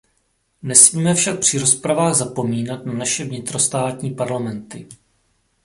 Nesmíme však při rozpravách zapomínat na naše vnitrostátní parlamenty.